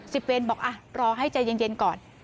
เวรบอกอ่ะรอให้ใจเย็นก่อน